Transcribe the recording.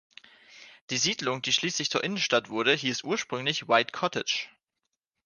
Die Siedlung, die schließlich zur Innenstadt wurde, hieß ursprünglich White Cottage.